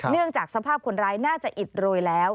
จากสภาพคนร้ายน่าจะอิดโรยแล้ว